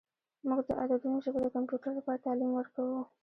موږ د عددونو ژبه د کمپیوټر لپاره تعلیم ورکوو.